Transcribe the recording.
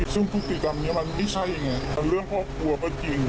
ซึ่งภูติธรรมนี้มันไม่ใช่เรื่องพ่อปลัวเป็นจริง